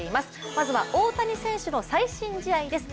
まずは大谷選手の最新試合です。